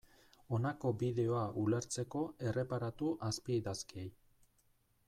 Honako bideoa ulertzeko, erreparatu azpiidazkiei.